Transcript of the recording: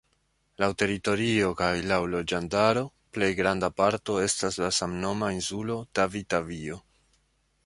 Laŭ teritorio kaj laŭ loĝantaro plej granda parto estas la samnoma insulo Tavi-Tavio.